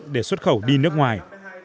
điều kiện để xuất khẩu đi nước ngoài